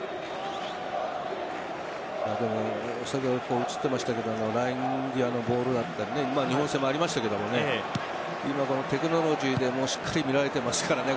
先ほど映ってましたがライン際のボールは日本戦もありましたが今テクノロジーでしっかり見られてますからね。